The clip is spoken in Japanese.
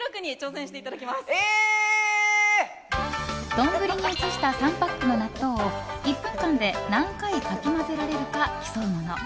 丼に移した３パックの納豆を１分間で何回かき混ぜられるか競うもの。